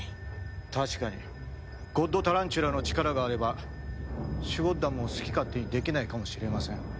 確かにゴッドタランチュラの力があればシュゴッダムを好き勝手にできないかもしれません。